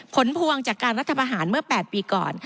ผลพวงจากการรัฐประหารเมื่อ๘ปีก่อน